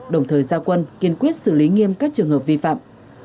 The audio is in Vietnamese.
đồng thời giao quân kiên quyết xử lý nghiêm các trường hợp vi phạm